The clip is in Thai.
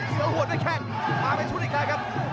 เสื้อหัวได้แค่งมาเป็นชุดอีกแล้วครับ